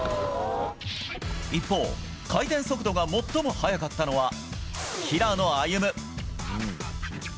一方、回転速度が最も速かったのは平野歩夢。